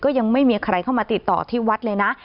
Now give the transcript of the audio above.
ยังไม่มีใครเข้ามาติดต่อที่วัดเลยนะ